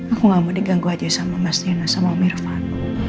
aku gak mau diganggu aja sama mas dino sama om irfan